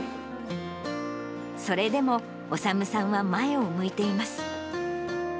それでも、修さんは前を向いています。